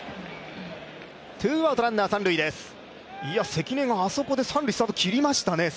関根があそこで三塁へスタート切りましたね。